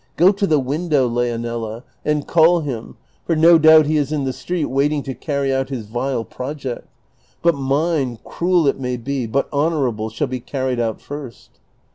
Go to the window, Leonela, and call him, for no doubt he is in the street waiting to carry out his vile project; but mine, cruel it may be, but honorable, shall be carried out first."